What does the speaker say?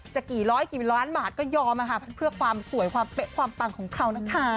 จะกี่ร้อยกี่ล้านบาทก็ยอมเพื่อความสวยความเป๊ะความปังของเขานะคะ